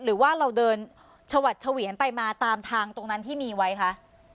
หรือว่าเราเดินชวัดเฉวียนไปมาตามทางตรงนั้นที่มีไว้คะ